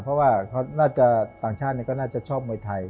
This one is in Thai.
เพราะว่าเขาน่าจะต่างชาติก็น่าจะชอบมวยไทย